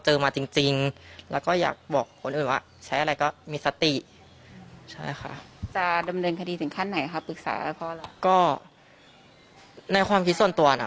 เจอมาจริงจริงแล้วก็อยากบอกคนอื่นว่าใช้อะไรก็มี